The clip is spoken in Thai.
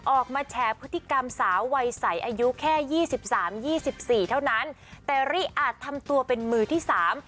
ออกมาแชร์พฤติกรรมสาววัยใสอายุแค่๒๓๒๔เท่านั้นแต่ริอาจทำตัวเป็นมือที่สาม